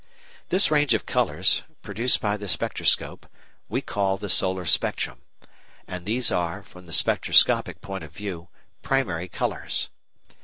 This range of colours, produced by the spectroscope, we call the solar spectrum, and these are, from the spectroscopic point of view, primary colours.